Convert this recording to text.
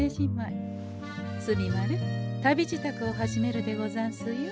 墨丸旅支度を始めるでござんすよ。